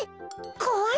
こわい？